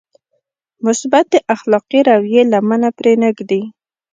مثبتې اخلاقي رويې لمنه پرې نهږدي.